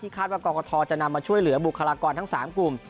คาดว่ากรกฐจะนำมาช่วยเหลือบุคลากรทั้ง๓กลุ่ม